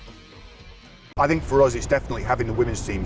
saya pikir untuk kami ini adalah untuk tim wanita